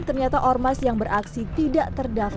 ternyata ormas yang beraksi tidak terdaftar